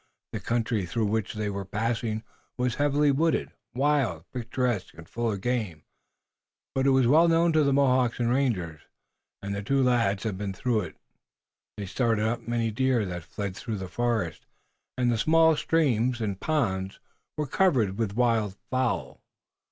The country through which they were passing was wooded heavily, wild, picturesque and full of game. But it was well known to Mohawks and rangers, and the two lads had also been through it. They started up many deer that fled through the forest, and the small streams and ponds were covered with wild fowl.